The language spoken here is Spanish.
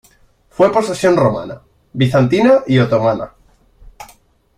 Fue posesión romana, bizantina y otomana.